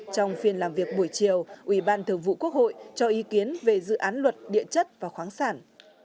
trong phiên làm việc buổi chiều ủy ban thường vụ quốc hội cho ý kiến về dự án luật địa chất và khoáng sản